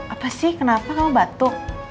apa sih kenapa kamu batuk